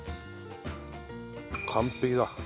完璧だ。